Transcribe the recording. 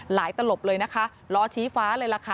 ตลบเลยนะคะล้อชี้ฟ้าเลยล่ะค่ะ